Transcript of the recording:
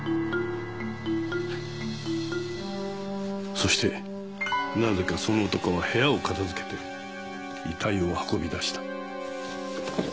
そしてなぜかその男は部屋を片付けて遺体を運び出した。